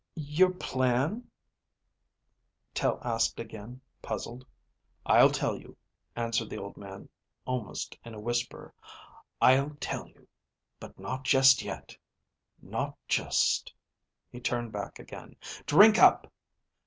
"Your plan?" Tel asked again, puzzled. "I'll tell you," answered the old man, almost in a whisper. "I'll tell you. But not just yet. Not just ..." He turned back again. "Drink up!"